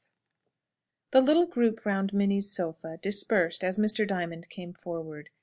The little group round Minnie's sofa dispersed as Mr. Diamond came forward.